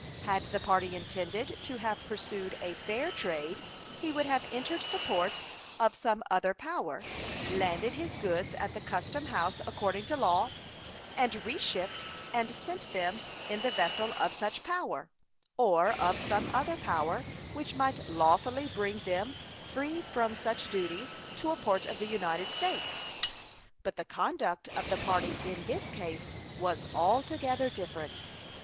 Had the party intended to have pursued a fair trade he would have entered the port of some other power, landed his goods at the custom house according to law, and re shipped and sent them in the vessel of such power, or of some other power which might lawfully bring them, free from such duties, to a port of the United States. But the conduct of the party in this case was altogether different.